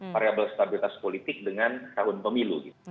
variable stabilitas politik dengan tahun pemilu